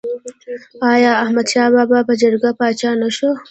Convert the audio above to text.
آیا احمد شاه بابا په جرګه پاچا نه شو؟